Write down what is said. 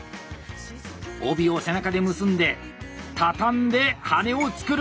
帯を背中で結んで畳んで羽根を作る！